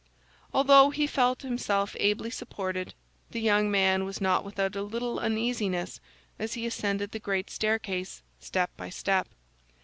Although he felt himself ably supported, the young man was not without a little uneasiness as he ascended the great staircase, step by step.